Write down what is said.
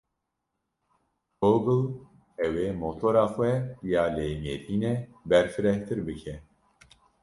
Google ew ê motora xwe ya lêgerînê berfirehtir bike.